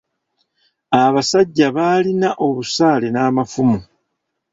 Abasajja baaalina obusaale n'amafumu!